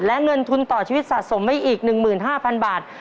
และเงินทุนต่อชีวิตสะสมไปอีก๑๕๐๐๐บาท